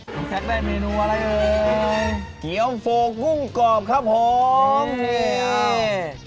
ผมแท็กได้เมนูอะไรเลยเกียวโฟกุ้งกรอบครับผมนี่